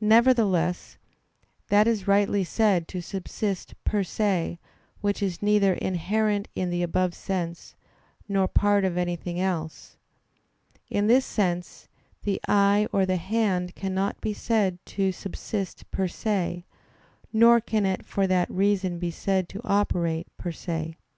Nevertheless, that is rightly said to subsist per se, which is neither inherent in the above sense, nor part of anything else. In this sense, the eye or the hand cannot be said to subsist per se; nor can it for that reason be said to operate _per se.